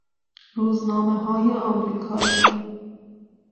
روزنامههای امریکایی